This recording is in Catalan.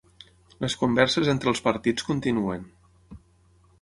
Les converses entre els partits continuen.